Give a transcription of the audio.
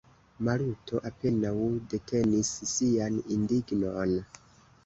Maluto apenaŭ detenis sian indignon.